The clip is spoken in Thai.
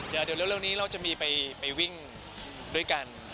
เดี๋ยวเร็วนี้เราจะมีไปวิ่งด้วยกัน